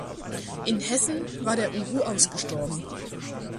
In Hessen war der Uhu ausgestorben.